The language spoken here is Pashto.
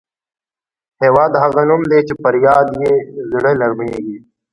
هېواد هغه نوم دی چې پر یاد یې زړه نرميږي.